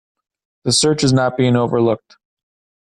The search is not being overlooked.